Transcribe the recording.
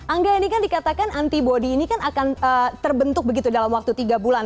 angga ini kan dikatakan antibody ini kan akan terbentuk begitu dalam waktu tiga bulan